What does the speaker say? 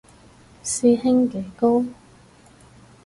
師兄幾高